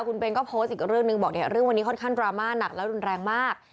คุณเบนก็โพสต์อีกเรื่องหนึ่งบอกเนี่ยเรื่องวันนี้ค่อนข้างดราม่าหนักและรุนแรงมาก